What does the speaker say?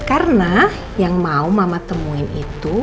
karena yang mau mama temuin itu